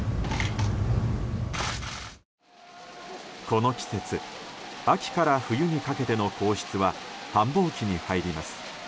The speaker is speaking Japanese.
この季節、秋から冬にかけての皇室は繁忙期に入ります。